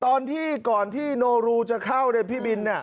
ตอนที่ก่อนที่โนรูจะเข้าพี่บิน